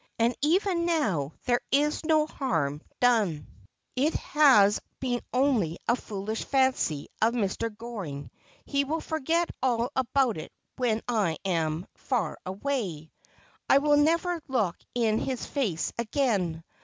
And even now there is no harm done ; it has been only a foolish fancy of Mr. Goring's ; he will forget all about it when I am — far away. I will never look in his face again.